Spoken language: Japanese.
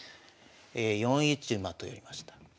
４一馬と寄りました。